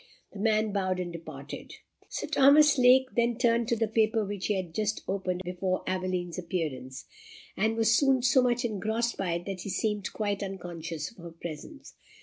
The man bowed, and departed. Sir Thomas Lake then turned to the paper which he had just opened before Aveline's appearance, and was soon so much engrossed by it that he seemed quite unconscious of her presence.